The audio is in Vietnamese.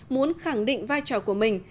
muốn khẳng định vai trò của mình